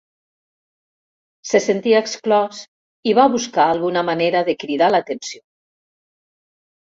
Se sentia exclòs i va buscar alguna manera de cridar l'atenció.